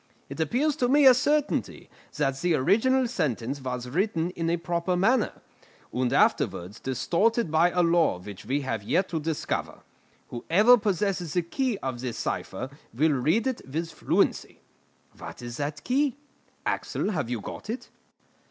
It appears to me a certainty that the original sentence was written in a proper manner, and afterwards distorted by a law which we have yet to discover. Whoever possesses the key of this cipher will read it with fluency. What is that key? Axel, have you got it?"